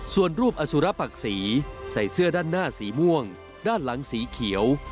ส่วนรูปอสุรปักษีใส่เสื้อด้านหน้าสีม่วงด้านหลังสีเขียว